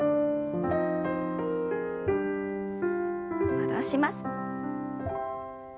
戻します。